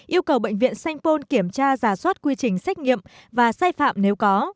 yêu cầu bệnh viện sanh pôn kiểm tra giả soát quy trình xét nghiệm và sai phạm nếu có